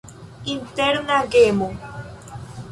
Interna gemo.